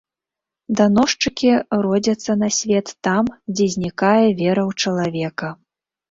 Даносчыкі родзяцца на свет там, дзе знікае вера ў чалавека.